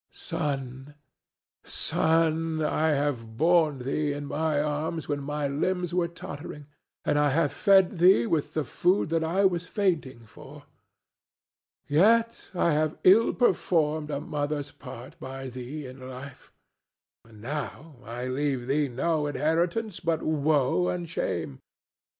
Son, son, I have borne thee in my arms when my limbs were tottering, and I have fed thee with the food that I was fainting for; yet I have ill performed a mother's part by thee in life, and now I leave thee no inheritance but woe and shame.